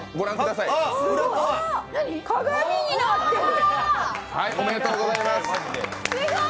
あっ、鏡になってる。